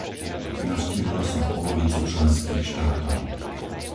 Navštívila som polovicu členských štátov.